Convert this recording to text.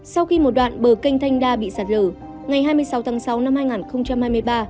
sau khi một đoạn bờ kênh thanh đa bị sạt lở ngày hai mươi sáu tháng sáu năm hai nghìn hai mươi ba